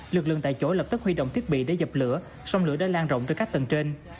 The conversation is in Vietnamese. lực lượng tại chỗ lập tức huy động thiết bị để dập lửa xong lửa đã lan rộng tới các tầng trên